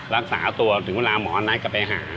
รักษาตัวถึงเวลาหมอนัดก็ไปหา